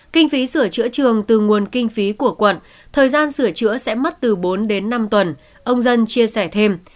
kinh phí sửa chữa trường từ nguồn kinh phí của quận thời gian sửa chữa sẽ mất từ bốn đến năm tuần ông dân chia sẻ thêm